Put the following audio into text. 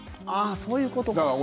そういうことか。